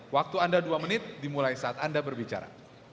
waktu anda dua menit dimulai saat anda berbicara